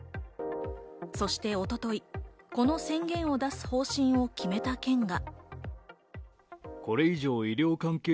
そして一昨日、この宣言を出す方針を決めた県が。